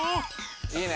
いいね。